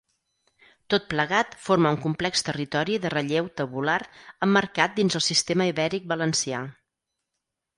Tot plegat forma un complex territori de relleu tabular emmarcat dins el Sistema Ibèric valencià.